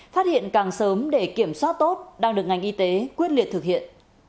phát hiện càng sớm để kiểm soát tốt đang được ngành y tế quyết liệt thực hiện